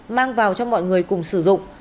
mang vào cho mọi người cùng sử dụng